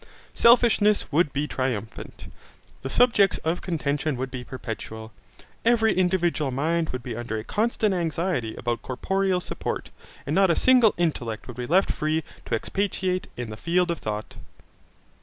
Selfishness would be triumphant. The subjects of contention would be perpetual. Every individual mind would be under a constant anxiety about corporal support, and not a single intellect would be left free to expatiate in the field of thought.